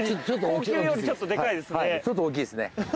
ちょっと大きいですね。